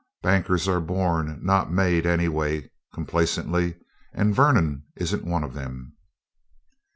Bankers are born, not made, anyway," complacently, "and Vernon isn't one of them."